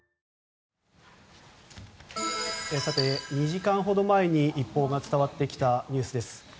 ２時間ほど前に一報が伝わってきたニュースです。